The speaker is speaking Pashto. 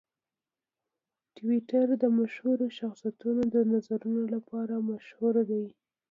ټویټر د مشهورو شخصیتونو د نظرونو لپاره مشهور دی.